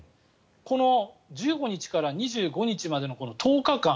この１５日から２５日までの１０日間。